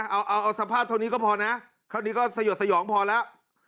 เอาเอาสภาพเท่านี้ก็พอนะคราวนี้ก็สยดสยองพอแล้ว